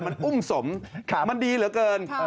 มันอุ้มสมมันดีเหลือเกิน